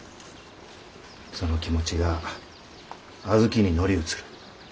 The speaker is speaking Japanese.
その気持ちが小豆に乗り移る。